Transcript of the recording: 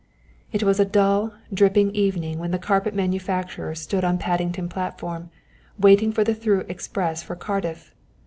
It was a dull, dripping evening when the carpet manufacturer stood on Paddington platform, waiting for the through express for Cardiff.